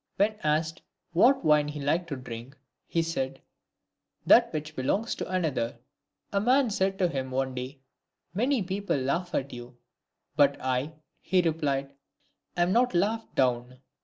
When asked what wine he liked to drink, he said, " That which belongs to another," A man said to him one day, " Many people laugh at you." " But I," he replied, " am not laughed down."